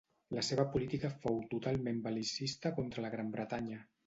La seva política fou totalment bel·licista contra la Gran Bretanya.